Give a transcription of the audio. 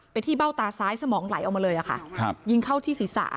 ที่เบ้าตาซ้ายสมองไหลออกมาเลยค่ะยิงเข้าที่ศีรษะ